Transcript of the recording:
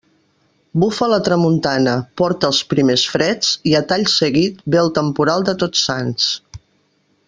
Bufa la tramuntana, porta els primers freds i a tall seguit ve el temporal de Tots Sants.